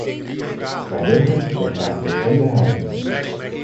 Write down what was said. Vrijwilligers zijn vaak miskende helden.